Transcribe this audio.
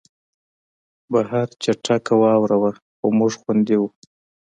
بهر چټکه واوره وه خو موږ خوندي وو